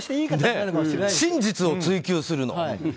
真実を追求するの。